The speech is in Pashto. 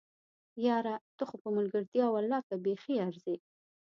یاره! ته خو په ملګرتيا ولله که بیخي ارځې!